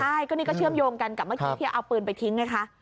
ใช่ก็นี่ก็เชื่อมโยงกันกับเมื่อกี้ที่เอาปืนไปทิ้งไงคะ